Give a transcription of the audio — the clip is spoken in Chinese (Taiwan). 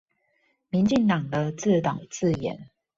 民進黨的自導自演